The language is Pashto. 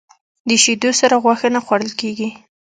د شیدو سره غوښه نه خوړل کېږي.